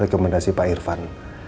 rekomendasi pak irfan